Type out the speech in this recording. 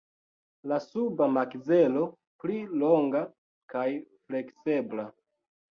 La suba makzelo pli longa kaj fleksebla.